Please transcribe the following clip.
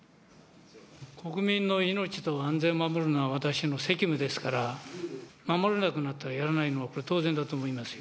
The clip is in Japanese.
国民の命と安全を守るのは私の責務ですから、守れなくなったらやらないのは当然だと思いますよ。